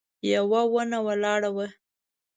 يوه ونه ولاړه وه.